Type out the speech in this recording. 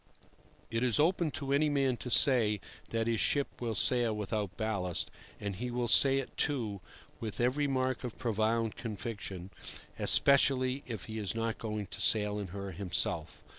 It is open to any man to say that his ship will sail without ballast; and he will say it, too, with every mark of profound conviction, especially if he is not going to sail in her himself.